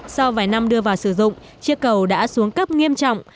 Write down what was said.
sau vài năm đưa vào sử dụng chiếc cầu đã xuống cấp nghiêm trọng